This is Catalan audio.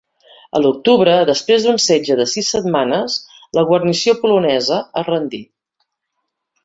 A l'octubre, després d'un setge de sis setmanes, la guarnició polonesa es rendí.